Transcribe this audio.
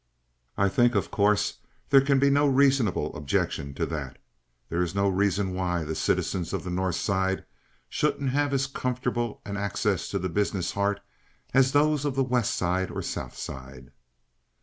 I think, of course, there can be no reasonable objection to that. There is no reason why the citizens of the North Side shouldn't have as comfortable an access to the business heart as those of the West or South Side."